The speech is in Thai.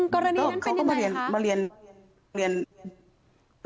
กรณีนั้นเป็นยังไงค่ะ